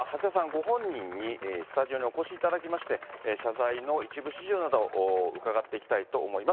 ご本人にスタジオにお越しいただきまして、謝罪の一部始終など、伺っていきたいと思います。